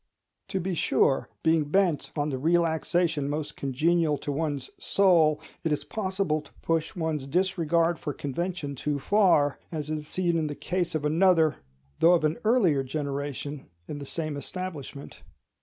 To be sure, being bent on the relaxation most congenial to one's soul, it is possible to push one's disregard for convention too far: as is seen in the case of another, though of an earlier generation, in the same establishment.